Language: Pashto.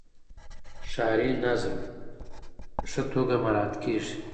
ښاري نظم په ښه توګه مراعات کیږي.